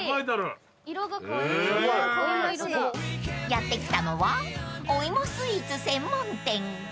［やって来たのはお芋スイーツ専門店］